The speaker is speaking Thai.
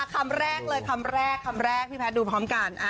คำแรกเลยคำแรกคำแรกพี่แพทย์ดูพร้อมกัน